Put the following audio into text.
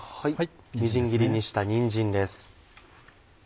みじん切りにしたにんじんです。